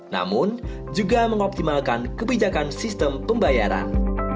namun juga mengoptimalkan kebijakan sistem pembayaran